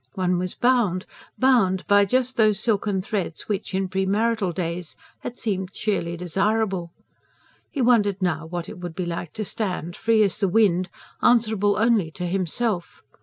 One was bound ... bound ... and by just those silken threads which, in premarital days, had seemed sheerly desirable. He wondered now what it would be like to stand free as the wind, answerable only to himself.